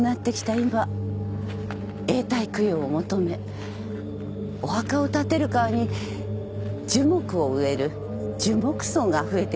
今永代供養を求めお墓を建てる代わりに樹木を植える樹木葬が増えてきているようです。